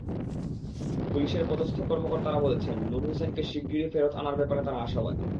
পুলিশের পদস্থ কর্মকর্তারা বলছেন, নূর হোসেনকে শিগগিরই ফেরত আনার ব্যাপারে তাঁরা আশাবাদী।